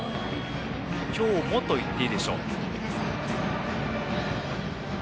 今日もと言っていいでしょう。